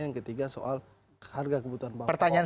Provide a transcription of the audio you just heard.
yang ketiga soal harga kebutuhan bang ferdinand